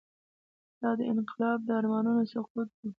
دا د انقلاب د ارمانونو سقوط و.